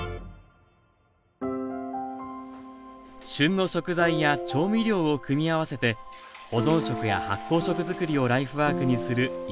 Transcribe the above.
旬の食材や調味料を組み合わせて保存食や発酵食づくりをライフワークにする井澤さん。